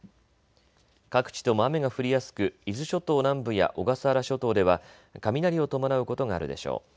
各地とも雨が降りやすく伊豆諸島南部や小笠原諸島では雷を伴うことがあるでしょう。